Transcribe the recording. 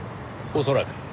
恐らく。